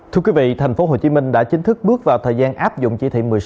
thưa quý vị tp hcm đã chính thức bước vào thời gian áp dụng chỉ thị một mươi sáu